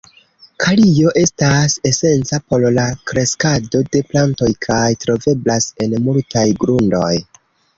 Kalio estas esenca por la kreskado de plantoj kaj troveblas en multaj grundoj.